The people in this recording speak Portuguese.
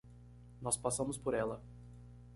Nós passamos por ela.